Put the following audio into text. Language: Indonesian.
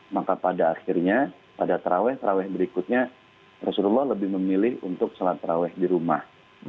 maka pada akhirnya pada terawih taraweh berikutnya rasulullah lebih memilih untuk sholat terawih di rumah